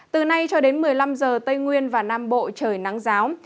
từ nay cho đến một mươi năm giờ tây nguyên và nam bộ trời nắng giáo